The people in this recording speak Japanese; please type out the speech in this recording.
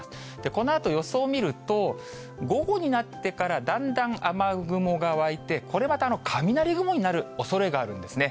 このあと予想を見ると、午後になってから、だんだん雨雲が湧いて、これ、また雷雲になるおそれがあるんですね。